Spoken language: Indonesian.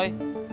yang tadi saya